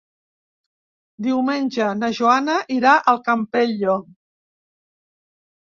Diumenge na Joana irà al Campello.